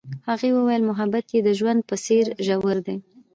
هغې وویل محبت یې د ژوند په څېر ژور دی.